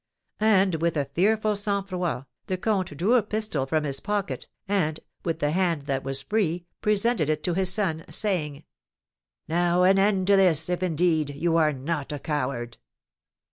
And, with a fearful sang froid, the comte drew a pistol from his pocket, and, with the hand that was free, presented it to his son, saying: "Now an end to this, if, indeed, you are not a coward!"